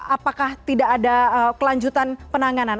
apakah tidak ada kelanjutan penanganan